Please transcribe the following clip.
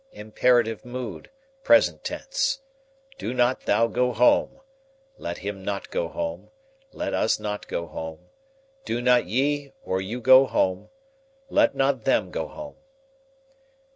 Imperative mood, present tense: Do not thou go home, let him not go home, let us not go home, do not ye or you go home, let not them go home.